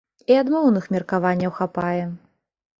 І адмоўных меркаванняў хапае!